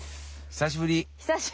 久しぶり。